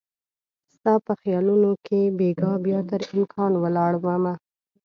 ستا په خیالونو کې بیګا بیا تر امکان ولاړ مه